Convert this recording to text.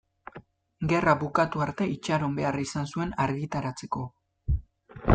Gerra bukatu arte itxaron behar izan zuen argitaratzeko.